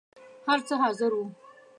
هر څه حاضر وو.